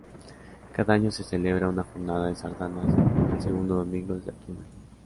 Cada año se celebra una Jornada de sardanas, el segundo domingo de septiembre.